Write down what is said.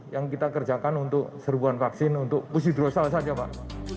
yang kita kerjakan untuk serbuan vaksin untuk pusidrosal saja pak